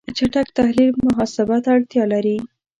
چټک تحلیل محاسبه ته اړتیا لري.